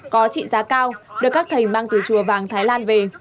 có trị giá cao được các thầy mang từ chùa vàng thái lan về